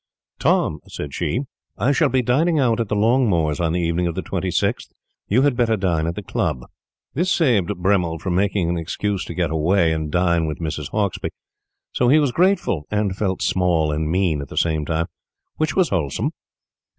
"Tom," said she, "I shall be dining out at the Longmores' on the evening of the 26th. You'd better dine at the club." This saved Bremmil from making an excuse to get away and dine with Mrs. Hauksbee, so he was grateful, and felt small and mean at the same time which was wholesome.